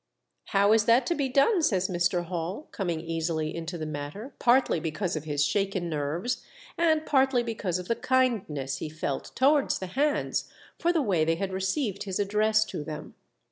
*' How is that to be done ?" says Mr. Hall, coming easily into the matter, partly because of his shaken nerves, and pardy because of the kindness he felt towards the hands for the way they had received his address to them.